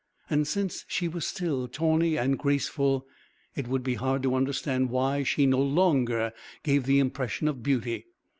And since she was still tawny and graceful, it would be hard to understand why she no longer gave the impression of beauty.